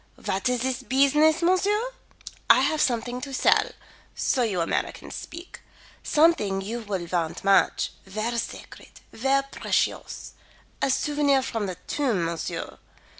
"What is this beesiness, monsieur? I have something to sell so you Americans speak. Something you will want much ver sacred, ver precious. A souvenir from the tomb, monsieur.